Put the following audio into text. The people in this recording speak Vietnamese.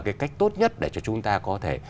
cái cách tốt nhất để cho chúng ta có thể